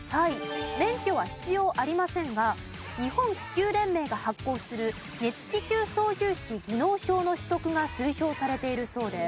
免許は必要ありませんが日本気球連盟が発行する熱気球操縦士技能証の取得が推奨されているそうです。